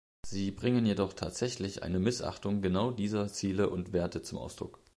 Sie bringen jedoch tatsächlich eine Missachtung genau dieser Ziele und Werte zum Ausdruck.